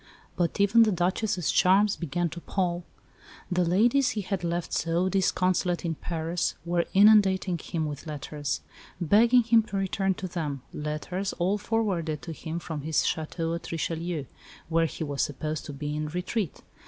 But even the Duchess's charms began to pall; the ladies he had left so disconsolate in Paris were inundating him with letters, begging him to return to them letters, all forwarded to him from his château at Richelieu, where he was supposed to be in retreat.